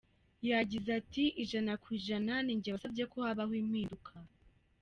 Yagize ati:” Ijana ku ijana ninjye wasabye ko habaho impinduka.